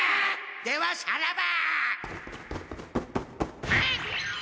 ではさらば！